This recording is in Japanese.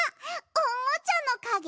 おもちゃのかげ？